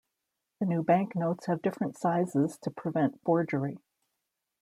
The new banknotes have different sizes to prevent forgery.